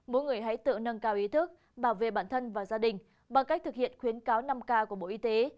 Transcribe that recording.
mỗi người hãy tự nâng cao ý thức bảo vệ bản thân và gia đình bằng cách thực hiện khuyến cáo năm k của bộ y tế